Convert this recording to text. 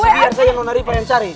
kasih biar saya nona riva yang cari